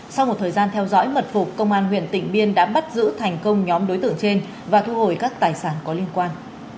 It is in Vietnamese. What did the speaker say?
sau một thời gian theo dõi mật phục công an huyện tỉnh biên đã bắt giữ thành công nhóm đối tượng trên và thu hồi các tài sản có liên quan